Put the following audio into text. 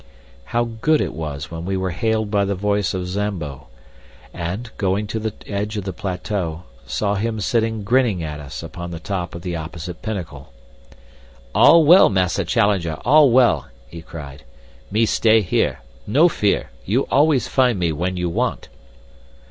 How good it was when we were hailed by the voice of Zambo, and, going to the edge of the plateau, saw him sitting grinning at us upon the top of the opposite pinnacle. "All well, Massa Challenger, all well!" he cried. "Me stay here. No fear. You always find me when you want."